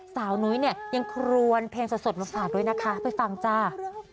นุ้ยเนี่ยยังครวนเพลงสดมาฝากด้วยนะคะไปฟังจ้า